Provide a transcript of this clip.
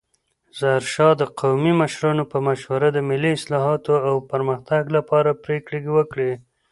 ظاهرشاه د قومي مشرانو په مشوره د ملي اصلاحاتو او پرمختګ لپاره پریکړې وکړې.